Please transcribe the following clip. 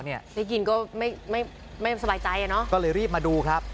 ได้ยินก็ไม่ไม่สบายใจอ่ะเนอะก็เลยรีบมาดูครับ